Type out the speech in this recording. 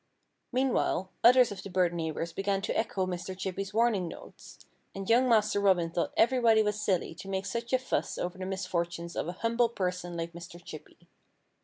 Meanwhile others of the bird neighbors began to echo Mr. Chippy's warning notes. And young Master Robin thought everybody was silly to make such a fuss over the misfortunes of a humble person like Mr. Chippy.